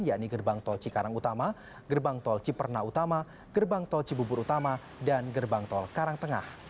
yakni gerbang tol cikarang utama gerbang tol ciperna utama gerbang tol cibubur utama dan gerbang tol karangtengah